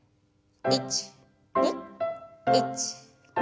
１２１２。